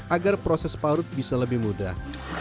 agar proses parut bisa lebih mudah